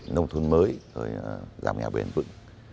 nông thôn mới giảm nghèo bền vững